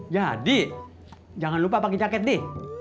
jadi jangan lupa pake jaket di